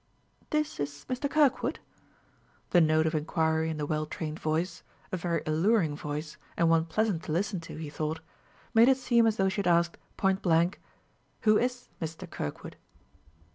"This is Mr. Kirkwood?" The note of inquiry in the well trained voice a very alluring voice and one pleasant to listen to, he thought made it seem as though she had asked, point blank, "Who is Mr. Kirkwood?"